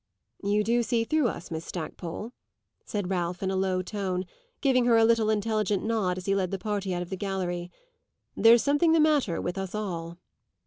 "You do see through us, Miss Stackpole," said Ralph in a low tone, giving her a little intelligent nod as he led the party out of the gallery. "There's something the matter with us all."